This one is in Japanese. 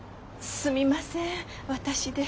すみません私で。